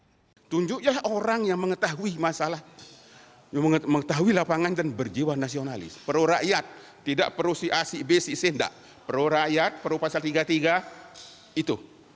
menteri esdm menunjukkan orang yang mengetahui masalah mengetahui lapangan dan berjiwa nasionalis pro rakyat tidak pro siasi bsi sinda pro rakyat pro pasal tiga puluh tiga itu